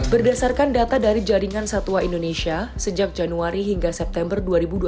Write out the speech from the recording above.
berdasarkan data dari jaringan satwa indonesia sejak januari hingga september dua ribu dua puluh